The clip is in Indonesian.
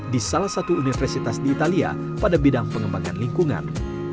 di salah satu universitas di italia pada bidang pengembangan lingkungan